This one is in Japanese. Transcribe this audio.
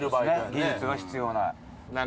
技術が必要ない。